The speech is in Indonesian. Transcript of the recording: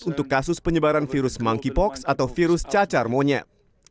untuk kasus penyebaran virus monkeypox atau virus cacar monyet